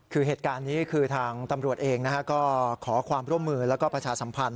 คือเหตุการณ์นี้คือทางตำรวจเองก็ขอความร่วมมือแล้วก็ประชาสัมพันธ